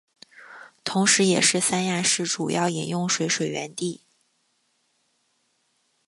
同时也是三亚市主要饮用水水源地。